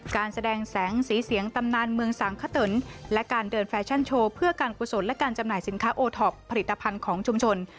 การแสดงแสงสีเสียงตำนานเมืองสังขตุนและการเดินแฟชั่นโชว์เพื่อการกุศลและการจำหน่ายสินค้าโอท็อปผลิตภัณฑ์ของชุมชน